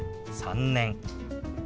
「３年」。